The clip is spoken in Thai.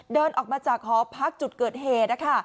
เดินออกมาจากหอพักจุดเกิดเหตุ